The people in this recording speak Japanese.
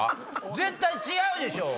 絶対違うでしょ！